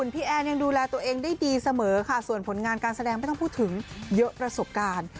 พี่แอนยังดูแลตัวเองได้ดีเสมอค่ะส่วนผลงานการแสดงไม่ต้องพูดถึงเยอะประสบการณ์